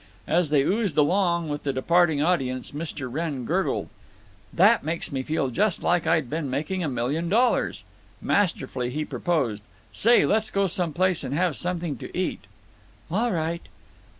As they oozed along with the departing audience Mr. Wrenn gurgled: "That makes me feel just like I'd been making a million dollars." Masterfully, he proposed, "Say, let's go some place and have something to eat." "All right."